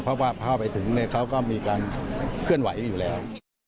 เพราะว่าพอไปถึงเขาก็มีการเคลื่อนไหวอยู่แล้ว